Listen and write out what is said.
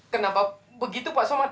kenapa begitu pak somad